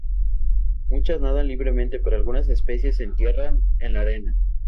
Muchas nadan libremente pero algunas especies se entierran en la arena.